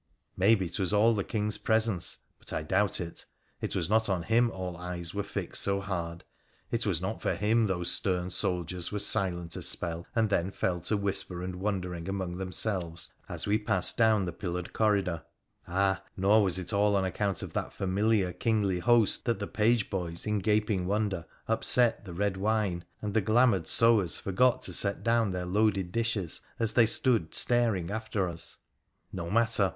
May be 'twas all the King's presence, but I doubt it. It was not on him all eyes were fixed so hard, it was not for him those stern soldiers were silent a spell and then fell to whisper and wondering among themselves as we passed down the pillared corridor — ah ! nor was it all on account of that familiar, kingly host that the page boys in gaping wonder upset the red wine, and the glamoured sewers forgot to set down their loaded dishes as they stood staring after us ! No matter